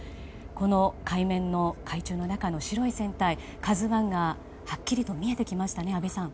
この海中の中の白い船体「ＫＡＺＵ１」がはっきりと見えてきましたね、安倍さん。